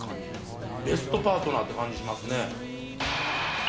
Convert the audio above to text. ベストパートナーって感じしますね。